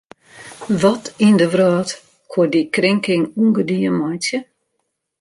Wat yn de wrâld koe dy krinking ûngedien meitsje?